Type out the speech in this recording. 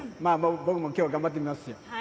僕も、きょう頑張ってみますよ。